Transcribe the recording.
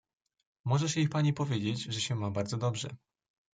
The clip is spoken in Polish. "możesz jej pani powiedzieć, że się ma bardzo dobrze."